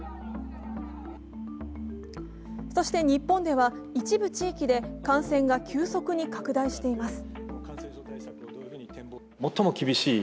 そして、日本では一部地域で感染が急速に拡大しています。